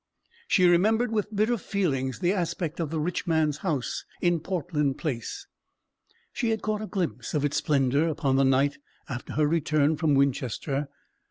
She remembered with bitter feelings the aspect of the rich man's house in Portland Place. She had caught a glimpse of its splendour upon the night after her return from Winchester.